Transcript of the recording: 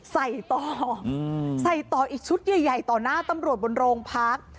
ใส่ต่อใส่ต่ออีกชุดใหญ่ต่อหน้าตำรวจบนโรงพัก